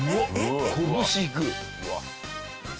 拳いく？